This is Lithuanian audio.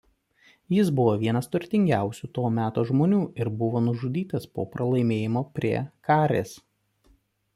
Jis buvo vienas turtingiausių to meto žmonių ir buvo nužudytas po pralaimėjimo prie Karės.